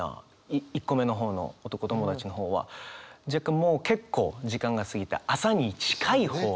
１個目の方の「男ともだち」の方は若干もう結構時間が過ぎた朝に近い方の。